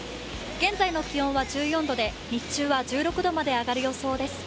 現在の気温は１４度で日中は１６度まで上がる予想です。